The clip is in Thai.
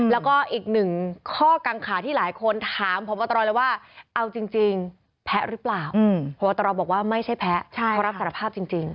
แล้วก็อีกหนึ่งข้อกังขาที่หลายคนถามพบตรเลยว่าเอาจริงแพ้หรือเปล่าพบตรบอกว่าไม่ใช่แพ้เขารับสารภาพจริง